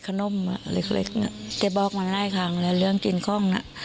เจ้าบอกมาได้ครั้งแล้วเรื่องกินคล่องน่ะ